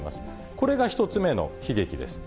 これが１つ目の悲劇です。